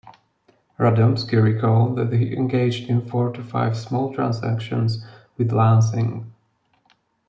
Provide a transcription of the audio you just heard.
Radomski recalled that he engaged in four to five "small transactions" with Lansing.